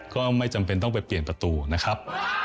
ก็ไม่จำเป็นต้องไปเปลี่ยนประตูนะครับ